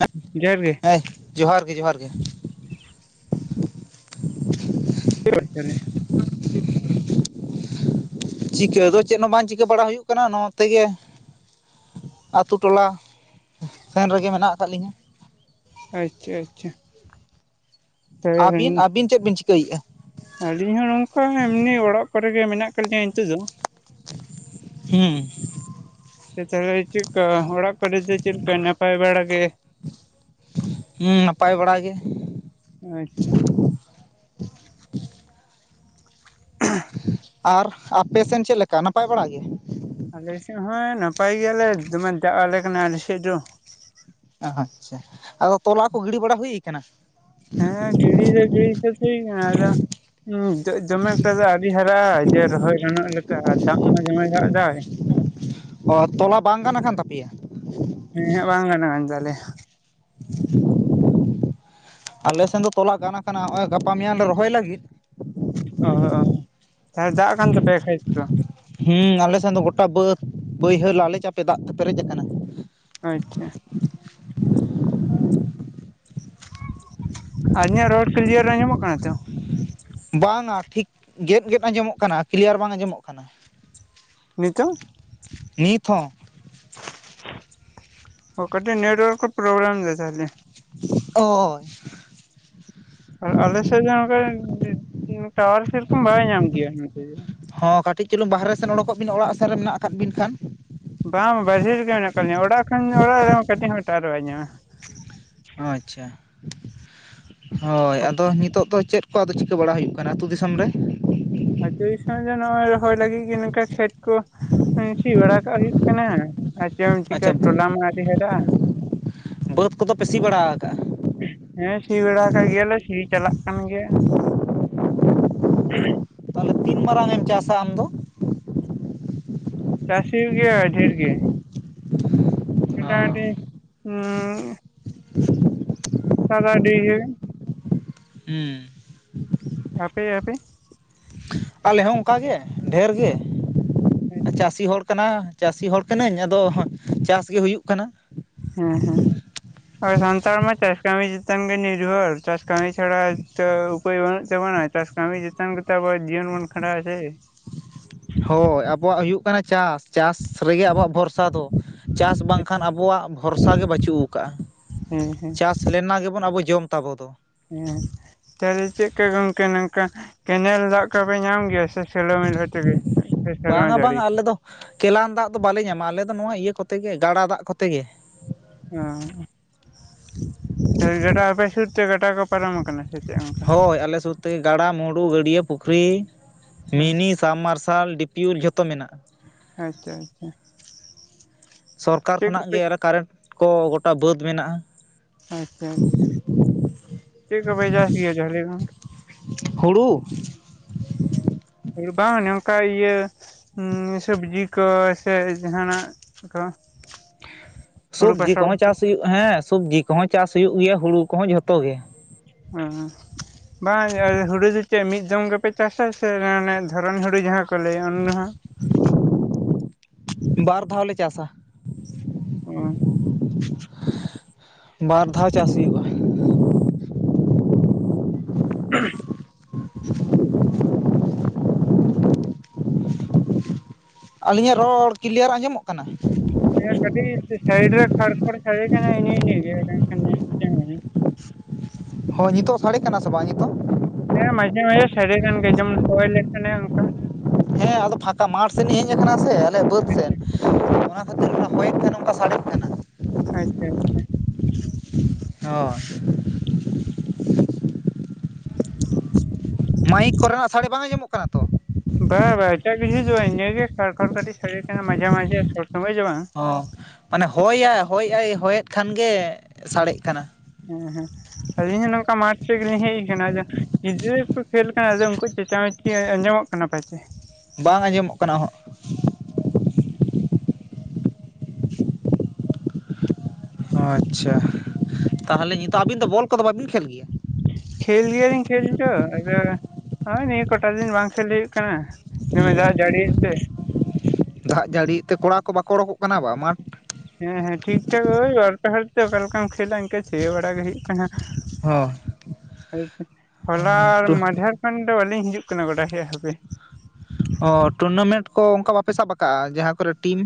ᱦᱮᱸ [inaudible] ᱡᱚᱦᱟᱨ ᱜᱮ᱾ ᱦᱮᱸ ᱡᱚᱦᱟᱨ ᱜᱮ ᱡᱚᱦᱟᱨ ᱜᱮ ᱾ [unintelligible] ᱪᱤᱠᱟᱹ ᱫᱚ ᱪᱮᱫ ᱦᱚᱸ ᱵᱟᱝ ᱪᱤᱠᱟᱹ ᱵᱟᱲᱟ ᱦᱩᱭᱩᱜ ᱠᱟᱱᱟ ᱱᱚᱛᱮ ᱜᱮ᱾ ᱟᱛᱩ ᱴᱚᱞᱟ ᱥᱮᱱ ᱨᱮᱜᱮ ᱢᱮᱱᱟᱜ ᱠᱟᱜ‌ ᱞᱤᱧᱟ ᱾ ᱟᱪ-ᱪᱷᱟ ᱟᱪ-ᱪᱷᱟ ᱾ ᱟᱹᱵᱤᱱ ᱟᱹᱵᱤᱱ ᱪᱮᱫ ᱵᱤᱱ ᱪᱤᱠᱟᱹᱭᱮᱜᱼᱟ? ᱟᱹᱞᱤᱧ ᱦᱚᱸ ᱱᱚᱝᱠᱟ ᱮᱢᱱᱤ ᱚᱲᱟᱜ ᱠᱚᱨᱮᱜ ᱜᱮ ᱢᱮᱱᱟᱜ ᱠᱟᱜ ᱞᱤᱧᱟᱸ ᱱᱤᱛᱚᱜ ᱫᱚ ᱾ ᱦᱩᱸ᱾ ᱛᱟᱦᱚᱞᱮ ᱪᱮᱜ ᱠᱟ ᱚᱲᱟᱜ ᱠᱚᱨᱮ ᱫᱚ ᱪᱮᱫ ᱠᱟ? ᱱᱟᱯᱟᱭ ᱵᱟᱲᱟ ᱜᱮ᱾ ᱦᱩᱸ ᱱᱟᱯᱟᱭ ᱵᱟᱲᱟ ᱜᱮ ᱾ ᱟᱪᱪᱷᱟ ᱾ ᱟᱨ ᱟᱯᱮ ᱥᱮᱱ ᱪᱮᱫ ᱞᱮᱠᱟ? ᱱᱟᱯᱟᱭ ᱵᱟᱲᱟ ᱜᱮ ᱾ ᱟᱞᱮ ᱥᱮᱫ ᱦᱚᱸ ᱱᱟᱯᱟᱭ ᱜᱮᱭᱟᱞᱮ, ᱫᱚᱢᱮ ᱫᱟᱜ ᱟᱞᱮ ᱠᱟᱱᱟ ᱟᱞᱮ ᱥᱮᱫ ᱫᱚ ᱾ ᱟᱪ-ᱪᱷᱟ ᱟᱫᱚ ᱛᱚᱞᱟ ᱠᱚ ᱜᱤᱲᱤ ᱵᱟᱲᱟ ᱦᱩᱭ ᱠᱟᱱᱟ ᱦᱮᱸ ᱜᱤᱲᱤ ᱫᱚ ᱜᱤᱲᱤ ᱥᱟᱹᱛ ᱦᱩᱭ ᱠᱟᱱᱟ, ᱟᱫᱚ ᱡᱚᱜ ᱡᱚᱢᱮ ᱩᱛᱟᱹᱨ ᱫᱚ ᱟᱹᱰᱤ ᱦᱟᱨᱟᱜᱼᱟ ᱡᱮ ᱨᱚᱦᱚᱭ ᱜᱟᱱᱚᱜ‌ ᱞᱮᱠᱟ ᱫᱟᱜ ᱢᱟ ᱫᱚᱢᱮ ᱫᱟᱜ ᱫᱟᱭ ᱾ ᱚ ᱛᱚᱞᱟ ᱵᱟᱝ ᱜᱟᱱ ᱟᱠᱟᱱ ᱛᱟᱯᱮᱭᱟ ᱾ ᱮᱦᱮᱸᱜ ᱵᱟᱝ ᱜᱟᱱ ᱠᱟᱱ ᱛᱟᱞᱮᱭᱟ᱾ ᱟᱞᱮ ᱥᱮᱱ ᱫᱚ ᱛᱚᱞᱟ ᱜᱟᱱ ᱠᱟᱱᱟ ᱦᱚᱸᱜᱼᱚᱭ ᱜᱟᱯᱟ ᱢᱮᱭᱟᱝ ᱞᱮ ᱨᱚᱦᱚᱭ ᱞᱟᱜᱤᱫ᱾ ᱚᱼᱚ ᱛᱟᱦᱞᱮ ᱫᱟᱜ ᱠᱟᱱ ᱛᱟᱯᱮᱭᱟ ᱠᱷᱮᱛ ᱠᱚ? ᱦᱩᱸ ᱟᱞᱮ ᱥᱮᱱ ᱫᱚ ᱜᱚᱴᱟ ᱵᱟᱹᱫᱽ ᱵᱟᱹᱭᱦᱟᱹᱲ ᱞᱟᱞᱮ ᱪᱟᱯᱮ ᱫᱟᱜ ᱛᱮ ᱯᱮᱨᱮᱡ ᱟᱠᱟᱱᱟ᱾ ᱟᱪᱪᱷᱟ᱾ ᱟᱨ ᱤᱧᱟᱹᱜ ᱨᱚᱲ ᱠᱞᱤᱭᱟᱨ ᱟᱸᱡᱚᱢᱚᱜ ᱠᱟᱱᱟ ᱛᱚ? ᱵᱟᱝᱼᱟ ᱴᱷᱤᱠ ᱜᱮᱫ ᱜᱮᱫ ᱟᱸᱡᱚᱢᱚᱜ ᱠᱟᱱᱟ ᱠᱞᱤᱭᱟᱨ ᱵᱟᱝ ᱟᱸᱡᱚᱢᱚᱜ ᱠᱟᱱᱟ᱾ ᱱᱤᱛᱚᱜ ᱱᱤᱛ ᱦᱚᱸ, ᱚ ᱠᱟᱴᱤᱜ ᱱᱮᱴᱣᱟᱨᱠ ᱠᱚ ᱯᱨᱚᱵᱞᱮᱢ ᱫᱟᱭ ᱛᱟᱦᱚᱞᱮ ᱾ ᱚᱻ ᱾ ᱟᱞᱮ ᱥᱮᱫ ᱫᱚ ᱱᱚᱝᱠᱟ ᱴᱟᱣᱟᱨ ᱥᱮᱨᱚᱠᱚᱢ ᱵᱟᱭ ᱧᱟᱢ ᱜᱮᱭᱟ ᱱᱚᱛᱮ ᱫᱚ ᱾ ᱦᱚᱸ ᱠᱟᱹᱴᱤᱡ ᱪᱩᱞᱩᱝ ᱵᱟᱦᱨᱮ ᱥᱮᱱ ᱚᱰᱩᱠᱚᱜ ᱵᱤᱱ ᱚᱲᱟᱜ ᱥᱮᱫ ᱨᱮ ᱢᱮᱱᱟᱜ ᱟᱠᱟᱫ ᱵᱤᱱ ᱠᱷᱟᱱ ᱾ ᱵᱟᱝ ᱵᱟᱹᱦᱤᱨ ᱨᱮᱜᱮ ᱢᱮᱱᱟᱜ ᱠᱟᱫ ᱞᱤᱧᱟᱹ ᱚᱲᱟᱜ ᱠᱷᱚᱱ ᱚᱲᱟᱜ ᱨᱮᱦᱚᱸ ᱠᱟᱹᱴᱤᱡ ᱦᱚᱸ ᱴᱟᱣᱟᱨ ᱵᱟᱭ ᱧᱟᱢᱟ᱾ ᱚ ᱟᱪᱪᱷᱟ ᱦᱳᱭ ᱟᱫᱚ ᱱᱤᱛᱚᱜ ᱫᱚ ᱪᱮᱫ ᱠᱚ ᱪᱤᱠᱟᱹ ᱵᱟᱲᱟ ᱦᱩᱭᱩᱜ ᱠᱟᱱᱟ ᱟᱛᱩ ᱫᱤᱥᱚᱢ ᱨᱮ? ᱟᱛᱩ ᱫᱤᱥᱚᱢ ᱫᱚ ᱱᱚᱜᱼᱚᱭ ᱨᱚᱦᱚᱭ ᱞᱟᱹᱜᱤᱫ ᱜᱮ ᱱᱚᱝᱠᱟ ᱠᱷᱮᱛ ᱠᱚ ᱥᱤ ᱵᱟᱲᱟ ᱠᱟᱜ ᱦᱩᱭᱩᱜ ᱠᱟᱱᱟ᱾ ᱟᱪ ᱪᱮᱫ ᱮᱢ ᱪᱤᱠᱟᱹ ᱟᱪᱪᱷᱟ ᱛᱚᱞᱟ ᱢᱟ ᱟᱣᱨᱤ ᱦᱟᱨᱟᱜᱼᱟ ᱾ ᱵᱟᱹᱫᱽ ᱠᱚᱫᱚ ᱯᱮ ᱥᱤ ᱵᱟᱲᱟ ᱠᱟᱜᱼᱟ? ᱦᱮᱸ ᱥᱤ ᱵᱟᱲᱟ ᱠᱟᱜ ᱜᱮᱭᱟᱞᱮ ᱥᱤ ᱪᱟᱞᱟᱜ ᱠᱟᱱ ᱜᱮᱭᱟ ᱾ [unintelligible] ᱛᱟᱦᱚᱞᱮ ᱛᱤᱱ ᱢᱟᱨᱟᱝ ᱮᱢ ᱪᱟᱥᱟ ᱟᱢᱫᱚ? ᱪᱟᱥ ᱦᱩᱭᱩᱜ ᱜᱮᱭᱟ ᱰᱷᱮᱨ ᱜᱤ‌ ᱢᱚᱴᱟ ᱢᱩᱴᱤ ᱩᱸ ᱥᱟᱜᱟᱰᱤ ᱜᱮ᱾ ᱩᱸᱻ ᱾ ᱟᱯᱮ ᱟᱯᱮ? ᱟᱞᱮ ᱦᱚᱸ ᱚᱱᱠᱟᱜᱮ ᱰᱷᱮᱨ ᱜᱮ ᱦᱮᱸ ᱪᱟᱥᱤ ᱦᱚᱲ ᱠᱟᱱᱟ ᱪᱟᱥᱤ ᱦᱚᱲ ᱠᱟᱹᱱᱟᱹᱧ ᱟᱫᱚ ᱪᱟᱥᱜᱮ ᱦᱩᱭᱩᱜ ᱠᱟᱱᱟ ᱾ ᱦᱮᱸ ᱦᱮᱸ ᱾ ᱟᱨ ᱥᱟᱱᱛᱟᱲ ᱢᱟ ᱪᱟᱥ ᱠᱟᱢᱤ ᱪᱮᱛᱟᱱ ᱜᱮ ᱱᱤᱨᱵᱷᱚᱨ ᱪᱟᱥ ᱠᱟᱹᱢᱤ ᱪᱷᱟᱲᱟ ᱛᱚ ᱩᱯᱟᱹᱭ ᱵᱟᱹᱱᱩᱜ ᱛᱟᱵᱚᱱᱟ ᱾ ᱪᱟᱥ ᱠᱟᱹᱢᱤ ᱪᱮᱛᱟᱱ ᱜᱮᱛᱚ ᱟᱵᱚᱣᱟᱜ ᱡᱤᱭᱚᱱ ᱵᱚᱱ ᱠᱷᱟᱸᱰᱟᱣ ᱤᱫᱤ ᱦᱳᱭ, ᱟᱵᱚᱣᱟᱜ ᱦᱩᱭᱩᱜ ᱠᱟᱱᱟ ᱪᱟᱥ᱾ ᱪᱟᱥ ᱨᱮᱜᱮ ᱟᱵᱚᱣᱟᱜ ᱵᱷᱚᱨᱥᱟ ᱫᱚ, ᱪᱟᱥ ᱵᱟᱝᱠᱷᱟᱱ ᱟᱵᱚᱣᱟᱜ ᱵᱷᱚᱨᱥᱟ ᱜᱮ ᱵᱟᱪᱩᱜ ᱟᱠᱟᱜᱼᱟ᱾ ᱦᱩᱸ ᱦᱩᱸ ᱪᱟᱥ ᱞᱮᱱ ᱟᱱᱟ ᱜᱮᱵᱚᱱ ᱟᱵᱚ ᱡᱚᱢ ᱛᱟᱵᱚ ᱫᱚ᱾ ᱦᱮᱸ ᱛᱟᱦᱞᱮ ᱪᱮᱫ ᱞᱮᱠᱟ ᱜᱚᱝᱠᱮ ᱱᱚᱝᱠᱟ ᱠᱮᱱᱮᱞ ᱫᱟᱜ ᱠᱚᱯᱮ ᱧᱟᱢ ᱜᱮᱭᱟ ᱥᱮ ᱥᱮᱞᱚ [unintelligible] ᱥᱮ ᱥᱮᱨᱢᱟ ᱵᱟᱝᱟ ᱡᱟᱹᱲᱤ᱾ ᱵᱟᱝᱟ ᱟᱞᱮ ᱫᱚ ᱠᱮᱞᱟᱱ ᱫᱟᱜ ᱫᱚ ᱵᱟᱞᱮ ᱧᱟᱢᱟ, ᱟᱞᱮ ᱫᱚ ᱱᱚᱣᱟ ᱤᱭᱟᱹ ᱠᱚᱛᱮ ᱜᱮ ᱜᱟᱰᱟ ᱫᱟᱜ ᱠᱚᱛᱮ ᱜᱮ᱾ ᱚ [unintelligible] ᱜᱟᱰᱟ ᱟᱯᱮ ᱥᱩᱨᱛᱮ ᱜᱟᱰᱟ ᱠᱚ ᱯᱟᱨᱚᱢ ᱟᱠᱟᱱᱟ ᱥᱮ ᱪᱮᱫ ᱦᱚᱸ ᱦᱳᱭ ᱟᱞᱮ ᱥᱩᱨᱛᱮ ᱜᱟᱰᱟ, ᱢᱩᱸᱰᱩ, ᱜᱟᱹᱰᱭᱟᱹ ᱯᱩᱠᱷᱨᱤ, ᱟᱪᱪᱷᱟ ᱢᱤᱱᱤ ᱥᱟᱵᱽ ᱢᱟᱨᱥᱟᱞ ᱰᱤᱯᱤᱭᱩᱨ ᱡᱷᱚᱛᱚ ᱢᱮᱱᱟᱜᱼᱟ᱾ ᱟᱪᱪᱷᱟ ᱟᱪᱪᱷᱟ ᱥᱚᱨᱠᱟᱨ ᱠᱷᱚᱱᱟᱜ ᱜᱮ [unintelligible] ᱠᱟᱨᱮᱱᱴ ᱠᱚ ᱜᱚᱴᱟ ᱵᱟᱹᱫᱽ ᱢᱮᱱᱟᱜᱼᱟ᱾ ᱟᱪᱪᱷᱟ ᱟᱪᱪᱷᱟ ᱪᱮᱫ ᱠᱚᱯᱮ ᱪᱟᱥ ᱜᱮᱭᱟ? [unintelligible] ᱦᱩᱲᱩ ᱵᱟᱝ ᱚᱱᱮ ᱚᱝᱠᱟ ᱤᱭᱟᱹ ᱥᱚᱵᱡᱤ ᱠᱚ ᱥᱮ ᱡᱟᱦᱟᱸᱱᱟᱜ ᱠᱚ ᱦᱩᱲᱩ ᱥᱩᱵᱽᱡᱤ ᱠᱚᱦᱚᱸ ᱯᱟᱥᱟᱯᱟᱥᱤ ᱪᱟᱥ ᱦᱩᱭᱩᱜᱼᱟ, ᱦᱮᱸ ᱥᱩᱵᱽᱡᱤ ᱠᱚᱦᱚᱸ ᱪᱟᱥ ᱦᱩᱭᱩᱜ ᱜᱮᱭᱟ, ᱦᱩᱲᱩ ᱠᱚᱦᱚᱸ ᱡᱷᱚᱛᱚ ᱜᱮ ᱦᱚᱸ ᱵᱟᱝ ᱦᱩᱲᱩ ᱫᱚ ᱪᱮᱫ ᱢᱤᱫ ᱫᱚᱢ ᱜᱮᱯᱮ ᱪᱟᱥᱟ ᱥᱮ ᱫᱷᱚᱨᱚᱱ ᱦᱩᱲᱩ ᱡᱟᱦᱟᱸ ᱠᱚ ᱞᱟᱹᱭᱟ ᱚᱱᱟ ᱦᱚᱸ ᱵᱟᱨ ᱫᱷᱟᱣ ᱞᱮ ᱪᱟᱥᱟ᱾ [unintelligible] ᱵᱟᱨ ᱫᱷᱟᱣ ᱪᱟᱥ ᱦᱩᱭᱩᱜᱼᱟ᱾ [unintelligible] ᱟᱹᱞᱤᱧᱟᱜ ᱨᱚᱲ ᱠᱞᱤᱭᱟᱨ ᱟᱸᱡᱚᱢᱚᱜ ᱠᱟᱱᱟ? ᱚ ᱠᱟᱹᱴᱤᱡ ᱥᱟᱭᱤᱰ ᱨᱮ ᱠᱷᱟᱲ ᱠᱷᱚᱲ ᱥᱟᱹᱰᱮ ᱠᱟᱱᱟ ᱤᱱᱟᱹ ᱤᱱᱟᱹ ᱜᱮ [unintelligible] ᱦᱚ ᱱᱤᱛᱚᱜ ᱥᱟᱲᱮ ᱠᱟᱱᱟ ᱥᱮ ᱵᱟᱝ ᱱᱤᱛᱳᱜ? ᱦᱮᱸ ᱢᱟᱡᱷᱮ ᱢᱟᱡᱷᱮ ᱥᱟᱲᱮ ᱠᱟᱱ ᱜᱮᱭᱟ ᱡᱮᱢᱚᱱ ᱦᱚᱭ ᱞᱮᱠᱷᱟᱱᱮ ᱚᱱᱠᱟ᱾ ᱦᱮᱸ ᱟᱫᱚ ᱯᱷᱟᱸᱠᱟ ᱢᱟᱴᱷ ᱥᱮᱱ ᱤᱧ ᱦᱮᱡ ᱟᱠᱟᱱᱟ ᱥᱮ ᱟᱞᱮᱭᱟᱜ ᱵᱟᱹᱫᱽ ᱥᱮᱱ ᱦᱚᱭᱮᱫ ᱛᱮ ᱱᱚᱝᱠᱟ ᱥᱟᱰᱮᱫ ᱠᱟᱱᱟ᱾ ᱟᱪᱪᱷᱟ ᱟᱪᱪᱷᱟ᱾ ᱦᱳᱭ ᱢᱟᱭᱤᱠ ᱠᱚᱨᱮᱱᱟᱜ ᱥᱟᱹᱲᱮ ᱵᱟᱝ ᱟᱸᱡᱚᱢᱚᱜ ᱠᱟᱱᱟ ᱛᱚ ᱵᱟ ᱵᱟᱝ ᱮᱴᱟᱜ ᱠᱤᱪᱷᱩ ᱫᱚ ᱵᱟᱝ ᱤᱱᱟᱹᱜᱮ ᱠᱷᱲᱠᱷᱲ ᱠᱟᱹᱴᱤᱡ ᱥᱟᱰᱮ ᱠᱟᱱᱟ ᱢᱟᱡᱷᱮ ᱢᱟᱡᱷᱮ ᱥᱚᱵ ᱥᱚᱢᱚᱭ ᱫᱚ ᱵᱟᱝ ᱚ ᱢᱟᱱᱮ, ᱦᱚᱭᱟᱭ ᱦᱚᱭᱟᱭ ᱦᱚᱭᱮᱫ ᱠᱷᱟᱱ ᱜᱮ ᱥᱟᱲᱮᱜ ᱠᱟᱱᱟ᱾ ᱦᱮᱸ ᱦᱮᱸ ᱟᱞᱤᱧ ᱦᱚᱸ ᱱᱚᱝᱠᱟ ᱢᱟᱴᱷ ᱥᱮᱫ ᱜᱮᱞᱤᱧ ᱦᱮᱡ ᱟᱠᱟᱱᱟ [unintelligible] ᱜᱤᱫᱽᱨᱟᱹ ᱠᱚ ᱠᱷᱮᱹᱞ ᱠᱟᱱᱟ ᱟᱫᱚ ᱩᱱᱠᱩ ᱪᱮᱪᱟᱢᱮᱪᱤ ᱟᱸᱡᱚᱢᱚᱜ ᱠᱟᱱᱟ ᱯᱟᱪᱮ ᱵᱟᱝ ᱟᱸᱡᱚᱢᱚᱜ ᱠᱟᱱᱟ ᱚᱦᱚᱸᱜ [inaudible] ᱟᱪᱪᱷᱟ ᱛᱟᱦᱚᱞᱮ ᱱᱤᱛᱚᱜ ᱟᱹᱵᱤᱱ ᱫᱚ ᱵᱚᱞ ᱠᱚᱫᱚ ᱵᱟᱵᱤᱱ ᱠᱷᱮᱞ ᱜᱮᱭᱟ? ᱠᱷᱮᱞ ᱜᱮᱭᱟᱞᱤᱧ ᱠᱷᱮᱞ ᱫᱚ ᱟᱫᱚ ᱱᱚᱜ-ᱚᱭ ᱱᱤᱭᱟᱹ ᱠᱚᱴᱟ ᱫᱤᱱ ᱵᱟᱝ ᱠᱷᱮᱞ ᱦᱩᱭᱩᱜ ᱠᱟᱱᱟ᱾ ᱫᱚᱢᱮ ᱦᱩᱸ ᱫᱟᱜ ᱡᱟᱲᱤᱭᱮᱫ ᱛᱮ ᱫᱟᱜ ᱡᱟᱹᱲᱤᱭᱮᱫ ᱛᱮ ᱠᱚᱲᱟ ᱠᱚ ᱵᱟᱠᱚ ᱩᱰᱳᱠᱚᱜ ᱠᱟᱱᱟ ᱵᱟᱝ ᱢᱟ ᱢᱟᱴᱷ᱾ ᱦᱮᱸ ᱦᱮᱸ ᱴᱷᱤᱠ ᱴᱷᱟᱠ ᱳᱭ ᱵᱟᱨᱯᱮ ᱦᱚᱲ ᱛᱮ ᱚᱠᱟ ᱞᱮᱠᱟᱢ ᱠᱷᱮᱞᱟ ᱤᱱᱠᱟᱹ ᱛᱷᱤᱭᱟ ᱵᱟᱲᱟ ᱜᱮ ᱦᱩᱭᱩᱜ ᱠᱟᱱᱟ᱾ ᱦᱚᱞᱟ ᱦᱚᱸ ᱟᱨ ᱢᱟᱱᱫᱷᱮᱨ ᱢᱮᱱ ᱫᱚ ᱵᱟᱹᱞᱤᱧ ᱦᱤᱡᱩᱜ ᱠᱟᱱᱟ ᱜᱚᱰᱟ ᱥᱮᱡ ᱦᱟᱯᱮ ᱚ ᱴᱩᱨᱱᱟᱢᱮᱱᱴ ᱠᱚ ᱚᱱᱠᱟ ᱵᱟᱯᱮ ᱥᱟᱵ ᱠᱟᱜᱼᱟ ᱡᱟᱦᱟᱸ ᱠᱚᱨᱮ ᱴᱤᱢ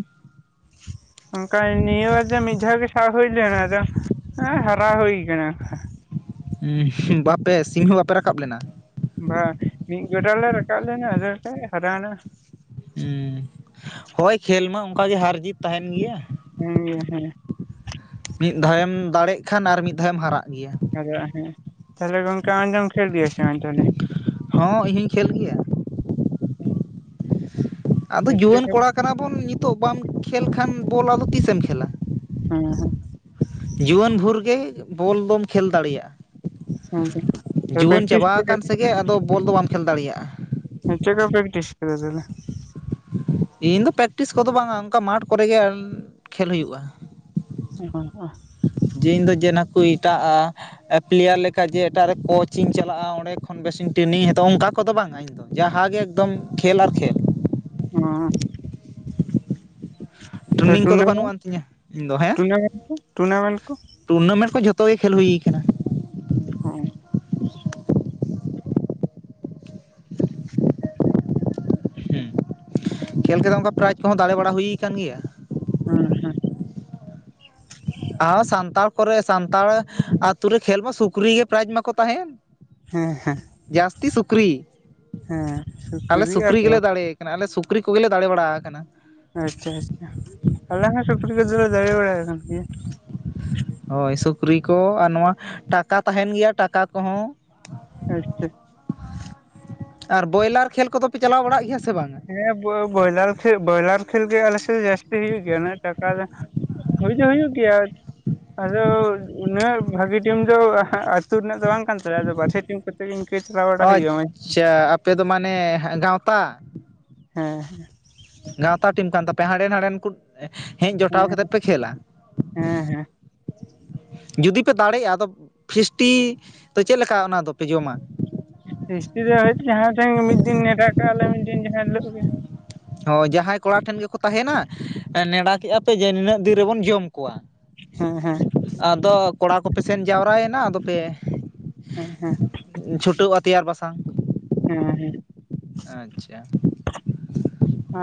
ᱚᱱᱠᱟ ᱱᱤᱭᱟᱹᱵᱟᱨ ᱫᱚ ᱢᱤᱫᱷᱟᱣ ᱜᱮ ᱥᱟᱵ ᱦᱩᱭ ᱞᱮᱱ ᱟᱫᱚ ᱮᱸ ᱦᱟᱨᱟᱣ ᱦᱩᱭ ᱠᱟᱱᱟ ᱩ ᱦᱩ ᱵᱟᱯᱮ ᱥᱤᱢ ᱦᱚᱸ ᱵᱟᱯᱮ ᱨᱟᱠᱟᱵ ᱞᱮᱱᱟ ᱵᱟᱝ ᱢᱤᱫ ᱜᱚᱰᱟ ᱞᱮ ᱨᱟᱠᱟᱵ ᱞᱮᱱᱟ ᱟᱫᱚ ᱮᱱᱛᱮᱜ ᱞᱮ ᱦᱟᱨᱟᱣᱱᱟ ᱩᱸ ᱦᱚᱭ ᱠᱷᱮᱞ ᱢᱟ ᱚᱱᱠᱟᱜᱮ ᱦᱟᱨ ᱡᱤᱛ ᱛᱟᱦᱮᱱ ᱜᱮᱭᱟ ᱩ ᱦᱩ ᱢᱤᱫ ᱫᱷᱟᱣᱮᱢ ᱫᱟᱲᱮᱜ ᱠᱷᱟᱱ ᱟᱨ ᱢᱤᱫ ᱫᱷᱟᱣᱮᱢ ᱦᱟᱨᱟᱜ ᱜᱮᱭᱟ ᱟᱵᱚᱣᱟᱜ ᱦᱮᱸ ᱛᱟᱦᱚᱞᱮ ᱜᱚᱝᱠᱮ ᱟᱸᱡᱚᱢ ᱠᱮᱫ ᱜᱮᱭᱟ ᱥᱮ ᱵᱟᱝ ᱛᱟᱦᱚᱞᱮ ᱦᱚᱸ ᱤᱧ ᱦᱚᱸᱧ ᱠᱷᱮᱞ ᱜᱮᱭᱟ ᱦᱮᱸ [inaudible] ᱟᱫᱚ ᱡᱩᱣᱟᱹᱱ ᱠᱚᱲᱟ ᱠᱟᱱᱟ ᱵᱚᱱ ᱱᱤᱛᱚᱜ ᱵᱟᱢ ᱠᱷᱮᱞ ᱠᱷᱟᱱ ᱵᱚᱞ ᱟᱫᱚ ᱛᱤᱥᱮᱢ ᱠᱷᱮᱞᱟ᱾ ᱦᱩᱸ ᱦᱩ ᱡᱩᱣᱟᱹᱱ ᱵᱷᱳᱨᱜᱮ ᱵᱚᱞ ᱫᱚᱢ ᱠᱷᱮᱞ ᱫᱟᱲᱮᱭᱟᱜᱼᱟ ᱦᱮᱸ ᱡᱩᱣᱟᱹᱱ ᱯᱨᱮᱠᱴᱤᱥ ᱠᱮᱫᱟ ᱪᱟᱵᱟᱠᱟᱱ ᱥᱮᱜᱮ ᱟᱫᱚ ᱵᱚᱞ ᱫᱚ ᱵᱟᱢ ᱠᱷᱮᱹᱞ ᱫᱟᱲᱮᱭᱟᱜᱼᱟ ᱦᱩ ᱪᱮᱠᱟ ᱯᱨᱠᱴᱤᱥ [unintelligible] ᱤᱧ ᱫᱚ ᱯᱮᱠᱴᱤᱥ ᱠᱚᱫᱚ ᱵᱟᱝᱼᱟ ᱚᱱᱠᱟ ᱢᱟᱴᱷ ᱠᱚᱨᱮᱜᱮ ᱠᱷᱮᱞ ᱦᱩᱭᱩᱜᱼᱟ [unintelligible] ᱡᱮ ᱤᱧ ᱫᱚ ᱡᱮ ᱱᱟᱠᱩ ᱮᱴᱟᱜᱼᱟ ᱮ ᱯᱞᱮᱭᱟᱨ ᱞᱮᱠᱟ ᱡᱮ ᱮᱴᱟᱜ ᱨᱮ ᱠᱳᱪᱤᱧ ᱪᱟᱞᱟᱜᱼᱟ ᱚᱸᱰᱮ ᱠᱷᱚᱱ ᱵᱮᱥᱤᱧ ᱴᱨᱮᱱᱤᱝ ᱦᱟᱛᱟᱣᱟ ᱚᱱᱠᱟ ᱠᱚᱫᱚ ᱵᱟᱝ ᱟ ᱤᱧ ᱡᱟᱦᱟᱸᱜᱮ ᱮᱠᱫᱚᱢ ᱠᱷᱮᱞ ᱟᱨ ᱠᱷᱮᱞ ᱦᱮᱸ ᱛᱚ ᱴᱨᱮᱱᱤᱝ ᱠᱚᱫᱚ ᱵᱟᱹᱱᱩᱜ ᱴᱩᱨᱱᱟᱢᱴ ᱟᱱ ᱛᱤᱧᱟᱹ ᱤᱧ ᱫᱚ ᱦᱮᱸ ᱴᱩᱨᱱᱟᱢᱮᱱᱴ ᱠᱚ ᱴᱩᱨᱱᱟᱢᱮᱱᱴ ᱠᱚ ᱴᱩᱨᱱᱟᱢᱮᱱᱴ ᱠᱚ ᱡᱷᱚᱛᱚ ᱜᱮ ᱠᱷᱮᱞ ᱦᱩᱭ ᱠᱟᱱᱟ ᱦᱮᱸ ᱦᱩᱸ ᱠᱷᱮᱞ ᱠᱟᱛᱮ ᱚᱱᱠᱟ ᱯᱨᱟᱭᱤᱡ ᱠᱚᱦᱚᱸ ᱫᱟᱲᱮ ᱵᱟᱲᱟ ᱦᱩᱭ ᱠᱟᱱ ᱜᱮᱭᱟ ᱦᱩᱸ ᱦᱩᱸ ᱟᱨ ᱥᱟᱱᱛᱟᱲ ᱠᱚᱨᱮ ᱥᱟᱱᱛᱟᱲ ᱟᱛᱩ ᱨᱮ ᱠᱷᱮᱞ ᱢᱟ ᱥᱩᱠᱨᱤ ᱜᱮ ᱯᱨᱟᱭᱤᱡᱽ ᱢᱟᱠᱚ ᱛᱟᱦᱮᱱ ᱡᱟᱹᱥᱛᱤ ᱥᱩᱠᱨᱤ ᱟᱞᱮ ᱥᱩᱠᱨᱤ ᱜᱮᱞᱮ ᱫᱟᱲᱮ ᱟᱞᱮ ᱥᱩᱠᱨᱤ ᱠᱚᱜᱮᱞᱮ ᱫᱟᱲᱮ ᱵᱟᱲᱟ ᱠᱟᱱᱟ ᱟᱪᱷᱟ ᱟᱪᱷᱟ ᱟᱞᱮ ᱦᱚᱸ ᱥᱩᱠᱨᱤ ᱠᱚᱫᱚ ᱞᱮ ᱫᱟᱲᱮ ᱵᱟᱲᱟ ᱟᱠᱟᱱ ᱜᱮᱭᱟ [inaudible] ᱦᱳᱭ ᱥᱩᱠᱨᱤ ᱠᱚ ᱟᱨ ᱱᱚᱣᱟ ᱴᱟᱠᱟ ᱛᱟᱦᱮᱱ ᱜᱮᱭᱟ ᱴᱟᱠᱟ ᱠᱚᱦᱚᱸ ᱟᱪᱪᱷᱟ ᱟᱨ ᱵᱚᱭᱞᱟᱨ ᱠᱷᱮᱞ ᱠᱚᱫᱚᱯᱮ ᱪᱟᱞᱟᱣ ᱵᱟᱲᱟᱜ ᱜᱮᱭᱟ ᱥᱮ ᱵᱟᱝ ᱦᱮᱸ ᱵᱚ ᱵᱚᱭᱞᱟᱨ ᱠᱷᱮᱞ ᱵᱚᱭᱞᱟᱨ ᱠᱷᱮᱞ ᱜᱮ ᱟᱞᱮᱥᱮᱫ ᱫᱚ ᱡᱟᱹᱥᱛᱤ ᱦᱩᱭᱩᱜ ᱜᱮᱭᱟ ᱩᱱᱟᱹᱜ ᱴᱟᱠᱟ ᱫᱚ ᱦᱩᱭ ᱫᱚ ᱦᱩᱭᱩᱜ ᱜᱮᱭᱟ ᱟᱫᱚ ᱩᱱᱟᱹᱜ ᱵᱷᱟᱹᱜᱤ ᱴᱤᱢ ᱫᱚ ᱟᱹᱛᱩ ᱨᱮᱱᱟᱜ ᱫᱚ ᱵᱟᱝ ᱠᱟᱱ ᱛᱟᱞᱮᱭᱟ ᱟᱫᱚ ᱵᱟᱦᱨᱮ ᱴᱤᱢ ᱠᱚ ᱤᱱᱠᱟ. ᱪᱟᱞᱟᱣ ᱵᱟᱲᱟ ᱦᱩᱭᱩᱜᱼᱟ ᱢᱮᱱ ᱟᱯᱮᱫᱚ ᱢᱟᱱᱮ ᱜᱟᱣᱛᱟ ᱦᱮᱸ ᱦᱮᱸ ᱜᱟᱶᱛᱟ ᱴᱤᱢ ᱠᱟᱱ ᱛᱟᱯᱮᱭᱟ ᱦᱟᱸᱰᱮᱱ ᱱᱟᱸᱰᱮᱱ ᱠᱚ ᱦᱮᱡ ᱡᱚᱴᱟᱣ ᱦᱮᱸ ᱠᱟᱛᱮᱜ ᱯᱮ ᱠᱷᱮᱞᱟ ᱦᱮᱸ ᱦᱮᱸ ᱡᱩᱫᱤ ᱯᱮ ᱫᱟᱲᱮᱜᱼᱟ ᱟᱫᱚ ᱯᱷᱤᱥᱴᱤ ᱫᱚ ᱪᱮᱫᱞᱮᱠᱟ ᱚᱱᱟ ᱫᱚᱯᱮ ᱡᱚᱢᱟ ᱯᱷᱤᱥᱥᱴᱤ ᱫᱚ ᱡᱟᱦᱟᱸ ᱴᱷᱮᱱ ᱢᱤᱫ ᱫᱤᱱ ᱱᱮᱰᱟ ᱠᱟᱜᱼᱟᱞᱮ ᱢᱤᱫ ᱫᱤᱱ ᱡᱟᱦᱟᱸ ᱦᱤᱞᱳᱜ ᱜᱮ ᱦᱚᱭ ᱡᱟᱦᱟᱸᱭ ᱠᱚᱲᱟ ᱴᱷᱮᱱ ᱜᱮᱠᱚ ᱛᱟᱦᱮᱱᱟ ᱮᱸ ᱱᱮᱸᱰᱟ ᱠᱮᱜᱼᱟ ᱯᱮ ᱡᱮ ᱱᱤᱱᱟᱹᱜ ᱫᱤᱱ ᱨᱮᱵᱚᱱ ᱡᱚᱢ ᱠᱚᱣᱟ᱾ ᱦᱮᱸ ᱦᱮᱸ ᱟᱫᱚ ᱠᱚᱲᱟ ᱠᱚᱯᱮ ᱥᱮᱱ ᱡᱟᱣᱨᱟᱭᱮᱱᱟ ᱟᱫᱚ ᱯᱮᱼᱼ ᱦᱮᱸ ᱦᱮᱸ [inaudible] ᱦᱮᱸ ᱦᱮᱸ ᱟᱪᱷᱟ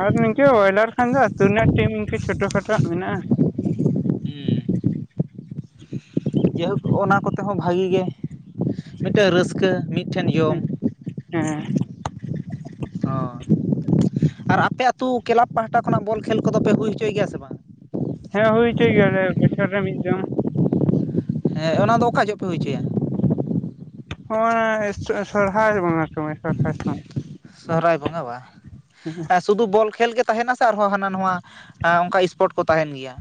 ᱟᱨ ᱱᱤᱝᱠᱟᱹ ᱵᱚᱭᱞᱟᱨ ᱠᱷᱟᱱ ᱫᱚ ᱟᱹᱛᱩ ᱨᱮᱱᱟᱜ ᱴᱤᱢ ᱯᱦᱤᱥ ᱠᱷᱟᱴᱚ ᱠᱷᱟᱴᱚ ᱢᱮᱱᱟᱜᱼᱟ᱾ ᱡᱮ ᱦᱚᱸ ᱚᱱᱟ ᱠᱚᱛᱮ ᱦᱚᱸ ᱵᱷᱟᱹᱜᱤ ᱜᱮ ᱢᱤᱫᱴᱮᱡ ᱨᱟᱹᱥᱠᱟᱹ ᱢᱤᱫᱴᱷᱮᱱ ᱡᱚᱢ᱾ ᱦᱮᱸ ᱦᱚᱸ ᱟᱨ ᱟᱯᱮ ᱟᱹᱛᱩ ᱠᱮᱞᱟᱵᱽ ᱯᱟᱦᱴᱟ ᱠᱷᱚᱱᱟᱜ ᱵᱚᱞ ᱠᱷᱮᱞ ᱠᱚᱫᱚᱯᱮ ᱦᱩᱭ ᱦᱚᱪᱚᱭ ᱜᱮᱭᱟ ᱥᱮ ᱵᱟᱝ? ᱦᱮᱸ ᱦᱩᱭ ᱚᱪᱚᱭ ᱜᱮᱭᱟᱞᱮ ᱵᱚᱪᱷᱚᱨ ᱨᱮ ᱢᱤᱫ ᱫᱚᱢ᱾ ᱦᱮᱸ ᱚᱱᱟ ᱫᱚ ᱚᱠᱟ ᱡᱚᱜ ᱯᱮ ᱦᱩᱭ ᱚᱪᱚᱭᱟ? ᱱᱚᱶᱟ ᱥᱚᱨᱦᱟᱭ ᱵᱚᱸᱜᱟ ᱥᱚᱢᱚᱭ [unintelligible] ᱥᱚᱦᱨᱟᱭ ᱵᱚᱸᱜᱟ ᱵᱟ ᱮᱸ ᱥᱩᱫᱩ ᱵᱚᱞ ᱠᱷᱮᱞ ᱜᱮᱼᱼ ᱛᱟᱦᱮᱱᱟ ᱥᱮ ᱟᱨᱦᱚᱸ ᱦᱟᱱᱟ ᱱᱟᱶᱟ ᱮᱸ ᱚᱱᱠᱟ ᱮᱥᱯᱚᱴ ᱠᱚ ᱛᱟᱦᱮᱱ ᱜᱮᱭᱟ?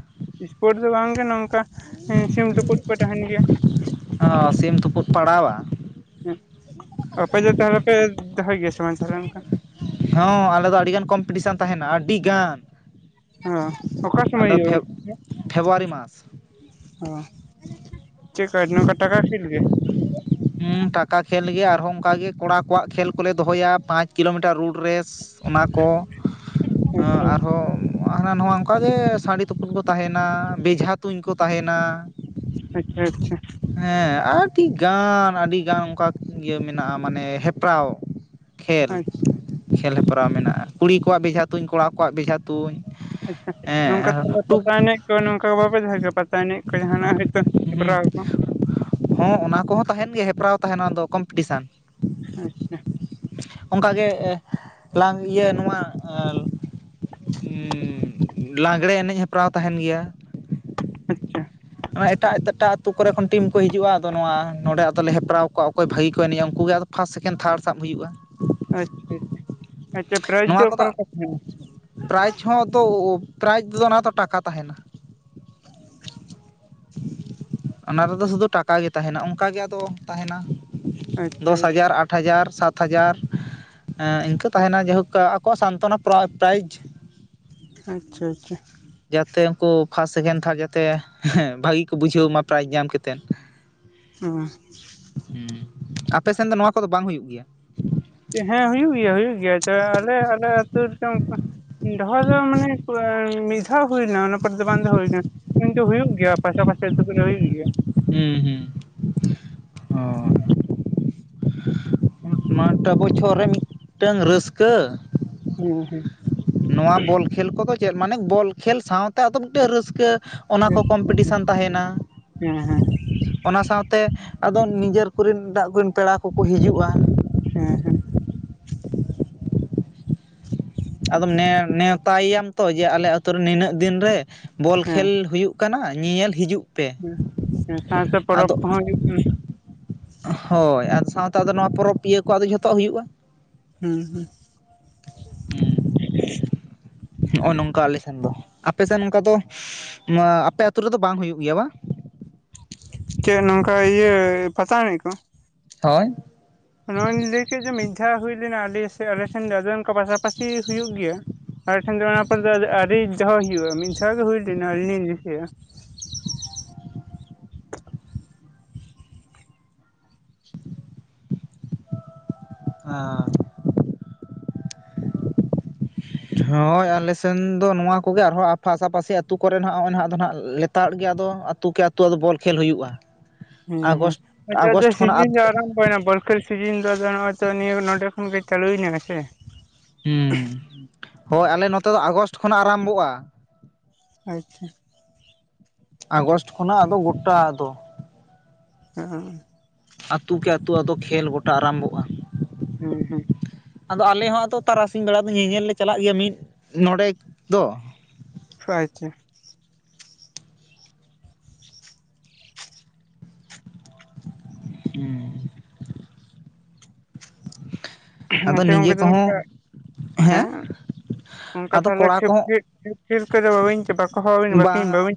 ᱤᱥᱯᱚᱴ ᱫᱚ ᱵᱟᱝᱜᱮ ᱱᱚᱝᱠᱟ ᱥᱤᱢ ᱛᱩᱯᱩᱫᱽ ᱠᱚ ᱛᱟᱦᱮᱱ ᱜᱮᱭᱟ᱾ ᱚ ᱥᱤᱢ ᱛᱩᱯᱩᱫ ᱯᱟᱲᱟᱣᱟ᱾ [unintelligible] ᱟᱯᱮ ᱫᱚ ᱛᱟᱦᱞᱮ ᱯᱮ ᱫᱚᱦᱚᱭ ᱜᱮᱭᱟ ᱥᱮ ᱵᱟᱝ ᱛᱟᱦᱞᱮ ᱚᱱᱠᱟ? ᱦᱚᱸ ᱟᱞᱮ ᱫᱚ ᱟᱹᱰᱤᱜᱟᱱ ᱠᱚᱢᱯᱤᱴᱤᱥᱟᱱ ᱛᱟᱦᱮᱱᱟ ᱟᱹᱰᱤᱜᱟᱱ᱾ ᱚ ᱚᱠᱟ ᱟᱞᱮ ᱥᱚᱢᱚᱭ ᱫᱚ ᱯᱷᱮᱵ ᱯᱷᱮᱵᱽᱨᱩᱣᱟᱨᱤ ᱢᱟᱥ᱾ ᱦᱚᱸ ᱪᱮᱫ ᱠᱚ ᱱᱚᱝᱠᱟ ᱴᱟᱠᱟ ᱠᱷᱮᱞ ᱜᱮ? ᱦᱩᱸ ᱴᱟᱠᱟ ᱠᱷᱮᱞ ᱜᱮ ᱟᱨᱦᱚᱸ ᱚᱱᱠᱟ ᱜᱮ ᱠᱚᱲᱟ ᱠᱚᱣᱟᱜ ᱠᱷᱮᱞ ᱠᱚᱞᱮ ᱫᱚᱦᱚᱭᱟ ᱯᱟᱸᱪ ᱠᱤᱞᱚᱢᱤᱴᱟᱨ ᱨᱩᱰ ᱨᱮᱥ᱾ ᱚᱱᱟᱠᱚ ᱟᱪᱪᱷᱟ ᱟᱨᱦᱚᱸᱼᱼ ᱦᱟᱱᱟ ᱱᱚᱶᱟ ᱚᱱᱠᱟ ᱜᱮ ᱥᱟᱺᱰᱤ ᱛᱩᱯᱩᱫ ᱠᱚ ᱛᱟᱦᱮᱱᱟ ᱵᱮᱡᱷᱟ ᱛᱩᱧ ᱠᱚ ᱛᱟᱦᱮᱱᱟ᱾ ᱟᱪᱷᱟ ᱟᱪᱷᱟ ᱦᱮᱸ ᱟᱹᱰᱤᱜᱟᱱ ᱟᱹᱰᱤᱜᱟᱱ ᱚᱱᱠᱟ ᱤᱭᱟᱹ ᱢᱮᱱᱟᱜᱼᱟ ᱢᱟᱱᱮ ᱦᱮᱯᱨᱟᱣ᱾ ᱠᱷᱮᱞ ᱟᱪᱪᱷᱟ ᱠᱷᱮᱞ ᱦᱮᱯᱨᱟᱣ ᱢᱮᱱᱟᱜᱼᱟ ᱠᱩᱲᱤ ᱠᱚᱣᱟᱜ ᱵᱮᱡᱷᱟ ᱛᱩᱧ ᱠᱚᱲᱟ ᱠᱚᱣᱟᱜ ᱵᱮᱡᱷᱟ ᱛᱩᱧ᱾ ᱟᱪᱷᱟ ᱱᱚᱝᱠᱟ ᱦᱮᱸ ᱯᱟᱛᱟ ᱴᱩᱠ ᱮᱱᱮᱡ ᱠᱚ ᱱᱚᱝᱠᱟ ᱵᱟᱯᱮ ᱫᱚᱦᱚᱭ ᱡᱮ ᱯᱟᱛᱟ ᱮᱱᱮᱡ ᱥᱮ ᱡᱟᱦᱟᱱᱟᱜ? ᱦᱚᱭᱛᱚᱼᱼ ᱦᱩᱸ ᱦᱮᱸ ᱚᱱᱟ ᱠᱚᱦᱚᱸ ᱛᱟᱦᱮᱱ ᱜᱮ ᱦᱮᱯᱨᱟᱣ ᱛᱟᱦᱮᱱᱟ ᱟᱫᱚ ᱠᱚᱢᱯᱤᱴᱤᱥᱟᱱ᱾ ᱟᱪᱷᱟ ᱚᱱᱠᱟᱜᱮ ᱞᱟᱝ ᱤᱭᱟᱹ ᱱᱚᱶᱟ ᱮᱸᱼᱼ ᱩᱸ ᱞᱟᱜᱽᱬᱮ ᱮᱱᱮᱡ ᱦᱮᱯᱨᱟᱣ ᱛᱟᱦᱮᱱ ᱜᱮᱭᱟ᱾ ᱟᱪᱷᱟ ᱱᱚᱶᱟ ᱮᱴᱟᱜ ᱮᱴᱟᱜ ᱛᱩᱩ ᱠᱚᱨᱮ ᱠᱷᱚᱱ ᱴᱤᱢ ᱠᱚ ᱦᱤᱡᱩᱜᱼᱟ ᱟᱫᱚ ᱱᱚᱶᱟ ᱱᱚᱸᱰᱮ ᱟᱫᱚᱞᱮ ᱦᱮᱯᱨᱟᱣ ᱠᱚᱣᱟ ᱚᱠᱚᱭ ᱵᱷᱟᱹᱜᱤ ᱠᱚ ᱮᱱᱮᱡᱼᱟ ᱩᱱᱠᱩ ᱜᱮ ᱟᱫᱚᱼᱼ ᱯᱷᱟᱥ ᱥᱮᱠᱮᱱᱰ ᱛᱷᱟᱲ ᱥᱟᱵ ᱦᱩᱭᱩᱜᱼᱟ᱾ ᱟᱪᱷᱟ ᱟᱪᱷᱟ, ᱟᱪᱷᱟ ᱯᱨᱟᱭᱤᱡᱽ ᱫᱚ ᱱᱚᱣᱟ ᱠᱚᱫᱚ ᱚᱠᱟᱞᱮᱠᱟ ᱛᱟᱦᱮᱱᱟ? ᱯᱨᱟᱭᱤᱡᱽ ᱦᱚᱸᱛᱚ ᱯᱨᱟᱭᱤᱡᱽ ᱫᱚ ᱚᱱᱟ ᱦᱚᱸ ᱛᱚ ᱴᱟᱠᱟ ᱛᱟᱦᱮᱱᱟ᱾ ᱚᱱᱟ ᱨᱮᱫᱚ ᱥᱩᱫᱩ ᱴᱟᱠᱟ ᱜᱮ ᱛᱟᱦᱮᱱᱟ ᱚᱝᱠᱟ ᱜᱤ ᱟᱫᱚ ᱛᱟᱦᱮᱱᱟ᱾ ᱟᱪᱪᱷᱟ ᱫᱚᱥ ᱟᱪᱪᱷᱟ ᱦᱟᱡᱟᱨ ᱟᱴᱼᱼ ᱟᱴ ᱦᱟᱡᱟᱨ ᱥᱟᱛ ᱦᱟᱡᱟᱨ ᱮᱸ ᱤᱱᱠᱟᱹ ᱛᱟᱦᱮᱱᱟ ᱡᱮᱦᱚᱸ ᱠᱟ ᱟᱠᱚᱣᱟᱜ ᱥᱟᱱᱛᱚᱱᱟ ᱯᱟ. ᱨᱟ ᱯᱨᱟᱭᱤᱡᱽ᱾ ᱟᱪᱷᱟ ᱟᱪᱷᱟ ᱡᱟᱛᱮ ᱩᱱᱠᱩ ᱯᱷᱟᱥᱴ ᱥᱮᱠᱮᱱᱰ ᱛᱷᱟᱨᱰ ᱡᱟᱛᱮ ᱦᱮᱸ ᱵᱷᱟᱹᱜᱤ ᱠᱚ ᱵᱩᱡᱷᱟᱹᱣ ᱢᱟ ᱯᱨᱟᱭᱤᱡᱽ ᱧᱟᱢ ᱠᱟᱛᱮᱱ᱾ [inaudible] ᱦᱩᱸ ᱦᱩᱸ ᱟᱯᱮᱥᱮᱱ ᱫᱚ ᱱᱚᱶᱟ ᱠᱚᱫᱚ ᱵᱟᱝ ᱦᱩᱭᱩᱜ ᱜᱮᱭᱟ? ᱪᱮ ᱦᱮᱸ ᱦᱩᱭᱩᱜ ᱜᱮᱭᱟ ᱦᱩᱭᱩᱜ ᱜᱮᱭᱟ ᱛᱚ ᱟᱞᱮ ᱟᱞᱮ ᱟᱹᱛᱩ ᱨᱮ ᱪᱚᱝᱼᱼ [unintelligible] ᱫᱚᱦᱚ ᱢᱟᱱᱮ ᱢᱤᱫ ᱫᱷᱟᱣ ᱦᱩᱭᱱᱟ [unintelligible] ᱚᱨ ᱫᱚ ᱵᱟᱝ ᱫᱚ ᱦᱩᱭᱱᱟ ᱠᱤᱱᱛᱩ ᱦᱩᱭᱩᱜ ᱜᱮᱭᱟ ᱯᱟᱥᱟ ᱯᱟᱥᱮ ᱟᱹᱛᱩ ᱠᱚᱨᱮ ᱦᱩᱭᱩᱜ ᱜᱮᱭᱟ᱾ ᱦᱮᱸ ᱦᱮᱸ ᱚ [inaudible] ᱱᱚᱣᱟ ᱴᱟᱜ ᱵᱚᱪᱷᱚᱨ ᱨᱮ ᱢᱤᱫᱴᱟᱹᱝ ᱨᱟᱹᱥᱠᱟᱹ ᱦᱮᱸ ᱦᱮᱸ ᱱᱚᱣᱟ ᱵᱚᱞ ᱠᱷᱮᱞ ᱠᱚᱫᱚ ᱪᱮᱫ ᱢᱟᱱᱮ ᱵᱚᱞ ᱠᱷᱮᱹᱞ ᱥᱟᱶᱛᱮ ᱟᱫᱚ ᱢᱤᱫᱴᱮᱱ ᱨᱟᱹᱥᱠᱟᱹ ᱚᱱᱟ ᱠᱚ ᱦᱮᱸ ᱠᱚᱢᱯᱤᱴᱤᱥᱮᱱ ᱛᱟᱦᱮᱱᱟ ᱦᱮᱸ ᱦᱮᱸ ᱦᱮᱸ ᱚᱱᱟ ᱥᱟᱶᱛᱮ ᱟᱫᱚ ᱱᱤᱡᱮᱨ ᱠᱚᱨᱮᱱ ᱮᱴᱟᱜ ᱠᱚᱨᱮᱱ ᱯᱮᱲᱟ ᱠᱚᱠᱚ ᱦᱤᱡᱩᱜᱼᱟ᱾ ᱦᱮ ᱦᱮᱸ ᱟᱫᱚᱢ ᱱᱮ ᱱᱮᱣᱛᱟᱭ ᱮᱭᱟᱢ ᱛᱚ ᱡᱮ ᱟᱞᱮ ᱟᱛᱳ ᱨᱮ ᱱᱤᱱᱟᱹᱜ ᱫᱤᱱ ᱨᱮ ᱵᱚᱞ ᱠᱷᱮᱞ ᱦᱩᱭᱩᱜ ᱠᱟᱱᱟ ᱧᱮᱧᱮᱞ ᱦᱤᱡᱩᱜ ᱯᱮ ᱦᱚᱸ ᱥᱟᱶ ᱥᱟᱶᱛᱮ ᱯᱚᱨᱚᱵᱽ ᱟᱫᱚ ᱠᱚᱦᱚᱸ ᱦᱩᱭᱩᱜ ᱠᱟᱱᱟ᱾ ᱦᱳᱭ ᱟᱨ ᱥᱟᱶᱛᱮ ᱟᱫᱚ ᱱᱚᱣᱟ ᱯᱚᱨᱚᱵᱽ ᱯᱤᱭᱟᱹ ᱠᱚ ᱟᱫᱚ ᱡᱷᱚᱛᱚᱣᱟᱜ ᱦᱩᱭᱩᱜᱼᱟ᱾ ᱦᱮᱸ ᱦᱮᱸ ᱱᱚᱜᱼᱚᱭ ᱱᱚᱝᱠᱟ ᱟᱞᱮ ᱥᱮᱱ ᱫᱚ, ᱟᱯᱮ ᱥᱮᱱ ᱚᱱᱠᱟ ᱫᱚ, ᱟᱯᱮ ᱟᱛᱳ ᱨᱮᱫᱚ ᱵᱟᱝ ᱦᱩᱭᱩᱜ ᱜᱮᱭᱟ ᱵᱟᱝ? ᱪᱮᱫ ᱱᱚᱝᱠᱟ ᱤᱭᱟᱹ ᱯᱟᱛᱟ ᱮᱱᱮᱡ ᱠᱚ᱾ ᱦᱳᱭ ᱱᱚᱣᱟᱧ ᱞᱟᱹᱭ ᱠᱮᱫ ᱡᱮ ᱢᱤᱫ ᱫᱷᱟᱣ ᱦᱩᱭ ᱞᱮᱱᱟ, ᱟᱞᱮ ᱥᱮ ᱟᱞᱮᱥᱮᱱ ᱫᱚ ᱟᱫᱚ ᱚᱱᱠᱟ ᱯᱟᱥᱟᱯᱟᱥᱤ ᱦᱩᱭᱩᱜ ᱜᱮᱭᱟ᱾ ᱟᱞᱮ ᱴᱷᱮᱱ ᱫᱚ ᱚᱱᱟ ᱯᱚᱨ ᱫᱚ ᱟᱹᱣᱨᱤ ᱫᱚᱦᱚ ᱦᱩᱭᱩᱜᱼᱟ, ᱢᱤᱫ ᱫᱷᱟᱣ ᱜᱮ ᱦᱩᱭ ᱞᱮᱱᱟ ᱟᱹᱨᱤ ᱞᱤᱧ ᱫᱤᱥᱟᱹᱭᱟ᱾ ᱦᱟᱸ ᱦᱳᱭ ᱟᱞᱮ ᱥᱮᱱ ᱫᱚ ᱱᱚᱣᱟ ᱠᱚᱜᱮ ᱟᱨᱦᱚᱸ ᱯᱟᱥᱟᱯᱟᱥᱤ ᱟᱹᱛᱩ ᱠᱚᱨᱮ ᱱᱚᱜᱼᱚᱭ ᱱᱟᱦᱟᱜ ᱟᱫᱚ ᱱᱟᱦᱟᱜ [unintelligible] ᱞᱮᱛᱟᱲ ᱜᱮ ᱟᱫᱚ ᱟᱹᱛᱩ ᱠᱮ ᱟᱹᱛᱳ ᱟᱫᱚ ᱵᱚᱞ ᱠᱷᱮᱞ ᱦᱩᱭᱩᱜᱼᱟ᱾ ᱦᱮᱸ ᱦᱮᱸ ᱟᱜᱚᱥᱴ ᱢᱮ ᱟᱜᱚᱥᱴ [unintelligible] ᱠᱷᱚᱱᱟᱜ ᱥᱤᱜᱤᱧ ᱧᱚᱜ ᱟᱨᱟᱢ ᱚᱱᱟ ᱵᱚᱞ ᱠᱷᱮᱞ ᱥᱤᱡᱤᱱ ᱫᱚ ᱟᱫᱚ ᱱᱚᱜᱼᱚᱭ ᱛᱚ ᱱᱤᱭᱟᱹ ᱱᱚᱰᱮ ᱠᱷᱚᱱ ᱜᱮ ᱪᱟᱹᱞᱩᱭ ᱮᱱᱟ ᱥᱮ ᱦᱩᱸ, ᱦᱳᱭ ᱟᱞᱮ ᱱᱚᱛᱮ ᱫᱚ ᱟᱜᱚᱥᱴ ᱠᱷᱚᱱᱟᱜ ᱟᱨᱟᱢᱵᱷᱚᱜᱼᱟ᱾ ᱟᱪᱪᱷᱟ ᱟᱜᱚᱥᱴ ᱠᱷᱚᱱᱟᱜ ᱟᱫᱚ ᱜᱚᱴᱟ ᱟᱫᱚ [unintelligible] ᱟᱹᱛᱩ ᱠᱮ ᱟᱹᱛᱩ ᱟᱫᱚ ᱠᱷᱮᱞ ᱜᱚᱴᱟ ᱟᱨᱟᱢᱵᱷᱚᱜᱼᱟ᱾ ᱦᱩᱸ ᱦᱩᱸ ᱟᱫᱚ ᱟᱞᱮ ᱦᱚᱸ ᱟᱫᱚ ᱛᱟᱨᱟᱥᱤᱧ ᱵᱮᱲᱟ ᱫᱚ ᱧᱮᱧᱮᱞ ᱞᱮ ᱪᱟᱞᱟᱜ ᱜᱮᱭᱟ ᱢᱤᱫ ᱱᱚᱰᱮᱠ ᱫᱚ ᱟᱪᱪᱷᱟ ᱦᱮᱸ ᱟᱫᱚ [unintelligible] ᱱᱤᱡᱮ ᱜᱚᱝᱠᱮ ᱛᱚᱵᱮ ᱠᱚᱦᱚᱸ ᱱᱚᱝᱠᱟ, ᱦᱮᱸ ᱚᱱᱠᱟ ᱟᱫᱚ ᱛᱟᱦᱚᱞᱮ ᱠᱚᱲᱟ ᱠᱚᱦᱚᱸ [unintelligible] ᱠᱚᱫᱚ ᱵᱟᱹᱵᱤᱱ ᱵᱟᱠᱚ [unintelligible] ᱵᱤᱱ ᱵᱟᱝ